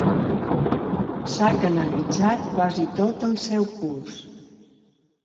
S'ha canalitzat quasi tot el seu curs.